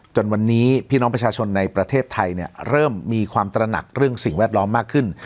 จนวันนี้พี่น้องประชาชนในประเทศไทยเริ่มมีความตระหนักเรื่องสิ่งแวดล้อมมากขึ้น